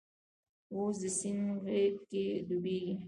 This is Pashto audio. اوس د سیند غیږ کې ډوبیږې